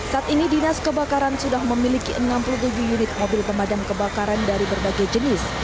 saat ini dinas kebakaran sudah memiliki enam puluh tujuh unit mobil pemadam kebakaran dari berbagai jenis